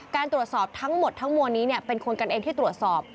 การตรวจสอบทั้งหมดทั้งมวลนี้เป็นคนกันเองที่ตรวจสอบ